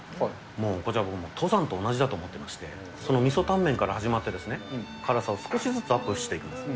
もうこちらは登山と同じだと思ってまして、その味噌タンメンから始まって、辛さを少しずつアップしていくんです。